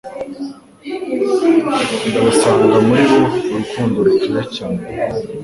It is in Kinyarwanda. Ndabasanga muri bo Urukundo rutuye cyane